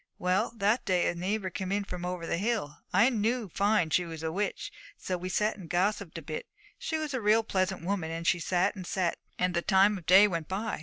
Well, that day a neighbour came in from over the hill. I knew fine she was a witch; so we sat and gossiped a bit; she was a real pleasant woman, and she sat and sat, and the time of day went by.